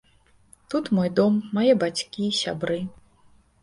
Тут мой дом, мае бацькі, сябры.